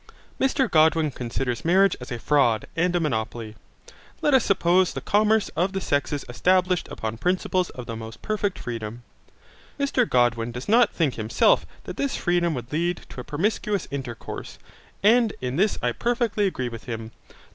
Mr Godwin considers marriage as a fraud and a monopoly. Let us suppose the commerce of the sexes established upon principles of the most perfect freedom. Mr Godwin does not think himself that this freedom would lead to a promiscuous intercourse, and in this I perfectly agree with him.